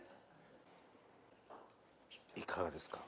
いかがですか？